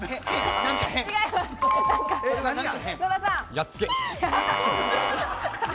やっつけ。